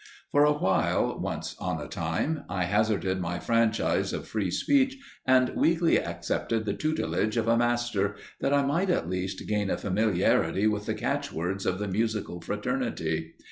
For a while, once on a time, I hazarded my franchise of free speech and weakly accepted the tutelage of a master, that I might at least gain a familiarity with the catch words of the musical fraternity.